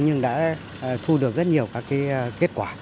nhưng đã thu được rất nhiều các kết quả